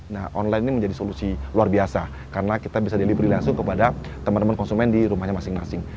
nah online ini menjadi solusi luar biasa karena kita bisa delivery langsung kepada teman teman konsumen di rumahnya masing masing